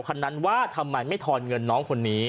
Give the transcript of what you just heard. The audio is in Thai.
คนนั้นว่าทำไมไม่ทอนเงินน้องคนนี้